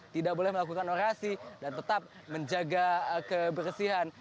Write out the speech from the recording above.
tidak boleh melakukan orasi dan tetap menjaga kebersihan